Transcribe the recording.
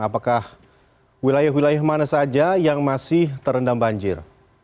apakah wilayah wilayah mana saja yang masih terendam banjir